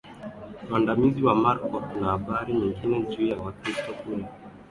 Mwandamizi wa Marko Tuna habari nyingi juu ya Wakristo kule